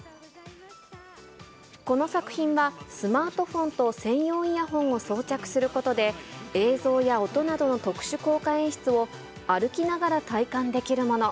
この作品は、スマートフォンと専用イヤホンを装着することで、映像や音などの特殊効果演出を、歩きながら体感できるもの。